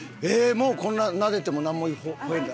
もうこんななでてもなんもほえない。